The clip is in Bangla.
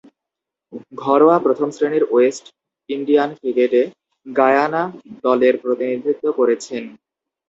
ঘরোয়া প্রথম-শ্রেণীর ওয়েস্ট ইন্ডিয়ান ক্রিকেটে গায়ানা দলের প্রতিনিধিত্ব করেছেন।